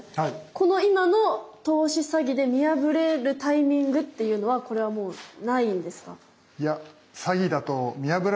この今の投資詐欺で見破れるタイミングっていうのはこれはもうないんですか？